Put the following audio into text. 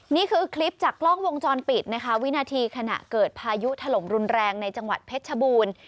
นี่คือคลิปจากกล้องวงจรปิดนะคะวินาทีขณะเกิดพายุถล่มรุนแรงในจังหวัดเพชรชบูรณ์